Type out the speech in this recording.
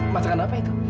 masakan apa itu